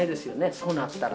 そうなったら。